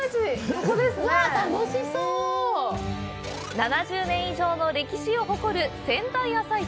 ７０年以上の歴史を誇る仙台朝市。